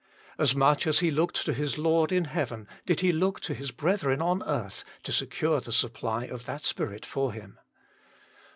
As much as he looked to his Lord in heaven did he look to his brethren on earth, to secure the supply of that Spirit for him.